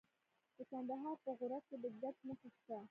د کندهار په غورک کې د ګچ نښې شته.